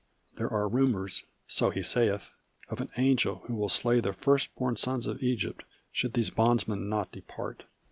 "There are rumours so he sayeth of an Angel who will slay The first born sons of Egypt should these bondsmen not depart.